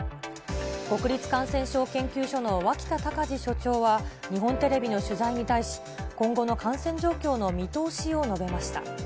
国立感染症研究所の脇田隆字所長は日本テレビの取材に対し、今後の感染状況の見通しを述べました。